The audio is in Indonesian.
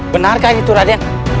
benarkah itu raden